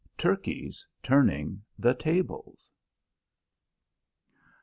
TURKEYS TURNING THE TABLES.